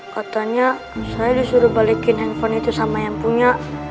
katanya saya disuruh balikin handphone itu sama yang punya